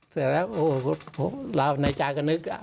เสร็จแล้วในจากนึก